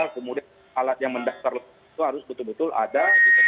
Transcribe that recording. kemudian alat yang mendaftar itu harus betul betul ada